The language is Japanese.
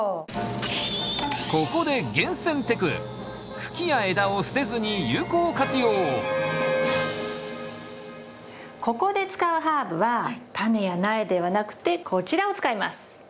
ここでここで使うハーブはタネや苗ではなくてこちらを使います。